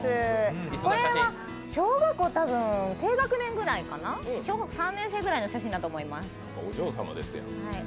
これは小学校低学年ぐらいかな、小学校３年生ぐらいの写真だと思います。